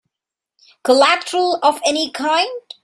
Collateral of any kind?